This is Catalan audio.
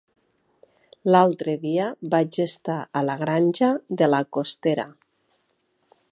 L'altre dia vaig estar a la Granja de la Costera.